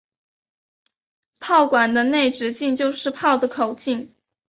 炮管的内直径就是炮的口径。